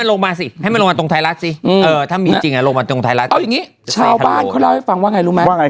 เอาอย่างงี้ชาวบ้านเขาเล่าให้ฟังว่าไงรู้ไหมรู้ไหม